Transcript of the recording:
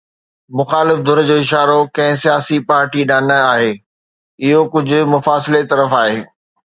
مخالف ڌر جو اشارو ڪنهن سياسي پارٽي ڏانهن نه آهي، اهو ڪجهه مفاصلي طرف آهي.